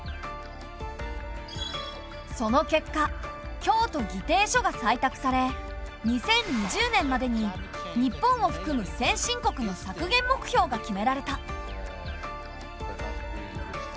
その結果京都議定書が採択され２０２０年までに日本をふくむ先進国の削減目標が決められた。